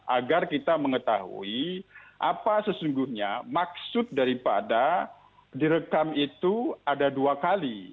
agar kita mengetahui apa sesungguhnya maksud daripada direkam itu ada dua kali